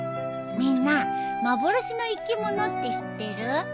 みんな幻の生き物って知ってる？